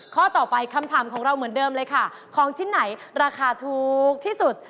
ข้อต่อไปคำถามของเราเหมือนเดิมเลยค่ะของชิ้นไหนราคาถูกที่สุด